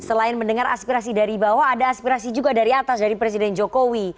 selain mendengar aspirasi dari bawah ada aspirasi juga dari atas dari presiden jokowi